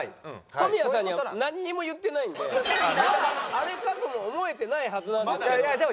小宮さんにはなんにも言ってないんで「あああれか」とも思えてないはずなんですけど。